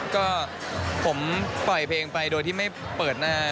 ก็ผมปล่อยเพลงไปโดยที่ไม่เปิดหน้า